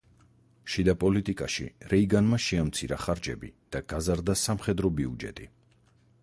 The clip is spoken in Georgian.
შიდა პოლიტიკაში, რეიგანმა შეამცირა ხარჯები და გაზარდა სამხედრო ბიუჯეტი.